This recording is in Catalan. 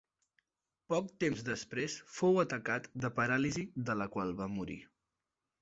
Poc temps després fou atacat de paràlisi de la qual va morir.